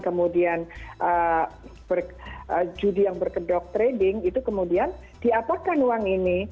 kemudian judi yang berkedok trading itu kemudian diapakan uang ini